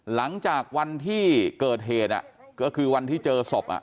หลังจากวันที่เกิดเหตุก็คือวันที่เจอศพ